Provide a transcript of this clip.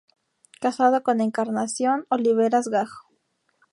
Casado con Encarnación Oliveras Gajo.